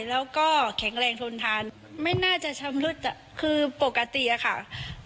แล้วก็แข็งแรงทนทานไม่น่าจะชำรุดคือปกติอะค่ะ